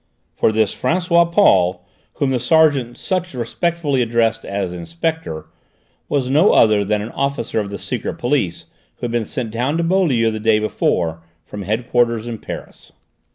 For this François Paul, whom the sergeant thus respectfully addressed as Inspector, was no other than an officer of the secret police who had been sent down to Beaulieu the day before from head quarters in Paris.